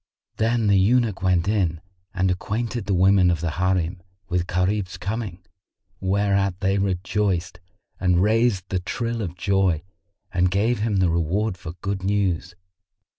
Then the eunuch went in and acquainted the women of the Harim with Gharib's coming, whereat they rejoiced and raised the trill of joy and gave him the reward for good news.